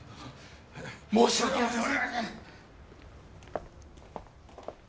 申し訳ありません！